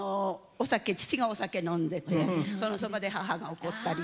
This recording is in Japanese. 父がお酒飲んでてそのそばで母が怒ったり。